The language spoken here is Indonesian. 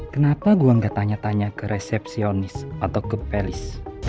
kenapa gue gak tanya tanya ke resepsionis atau ke pelis